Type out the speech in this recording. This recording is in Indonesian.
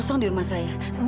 tinggal dari kita masjid nanti